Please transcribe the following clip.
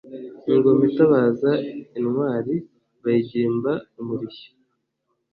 Ingoma itabaza intwari Bayigimba umurishyo